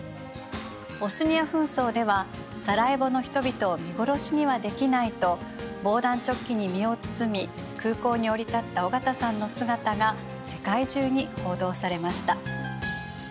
ボスニア紛争ではサラエボの人々を見殺しにはできないと防弾チョッキに身を包み空港に降り立った緒方さんの姿が世界中に報道されました。